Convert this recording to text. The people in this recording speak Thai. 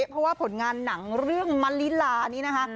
เพราะว่าผลงานหนังเรื่องมะลิลานี่นะคะ